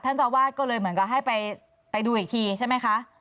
เจ้าวาดก็เลยเหมือนกับให้ไปดูอีกทีใช่ไหมคะ